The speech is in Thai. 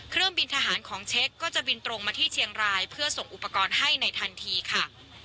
เครื่องบินทหารของเช็คก็จะบินตรงมาที่เชียงรายเพื่อส่งอุปกรณ์ให้ในทันทีค่ะ